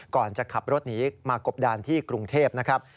ก่อนจะขับรถหนีมากบดานที่กรุงเทพนะครับ